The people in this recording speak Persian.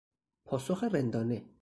پاسخ رندانه